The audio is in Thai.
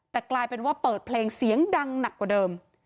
แต่กลายเป็นว่าเปิดเพลงเสียงดังหนักกว่าเดิม